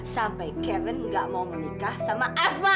sampai kevin gak mau menikah sama aswan